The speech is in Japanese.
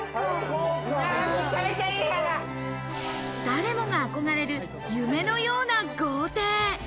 誰もが憧れる夢のような豪邸。